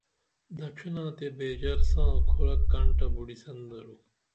دڇھینا تے بیژر ساں کُھرہ کنٹہ بُڈیسن دارو